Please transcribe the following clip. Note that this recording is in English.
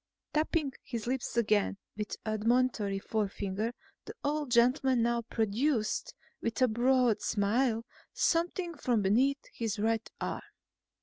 Tapping his lips again with admonitory forefinger, the old gentleman now produced, with a broad smile, something from beneath his right arm.